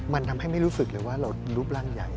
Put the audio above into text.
มันทำให้ไม่รู้สึกเลยว่าเรารูปร่างใหญ่